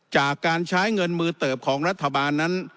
จากการใช้เงินมือเติบของรัฐบาลนั้น